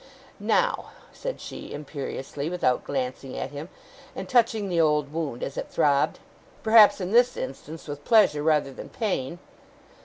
'Now,' said she, imperiously, without glancing at him, and touching the old wound as it throbbed: perhaps, in this instance, with pleasure rather than pain.